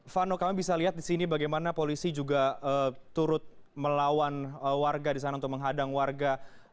vano kami bisa lihat di sini bagaimana polisi juga turut melawan warga di sana untuk menghadang warga